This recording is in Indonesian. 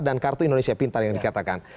dan kartu indonesia pintar yang dikatakan